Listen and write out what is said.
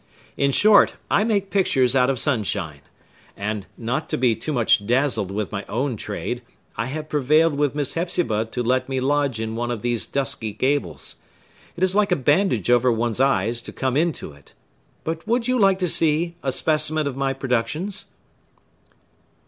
In short, I make pictures out of sunshine; and, not to be too much dazzled with my own trade, I have prevailed with Miss Hepzibah to let me lodge in one of these dusky gables. It is like a bandage over one's eyes, to come into it. But would you like to see a specimen of my productions?"